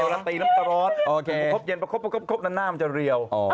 กางตรีน้ำตะรอดกระโขลิปบ่ะครบจะเรี่ยว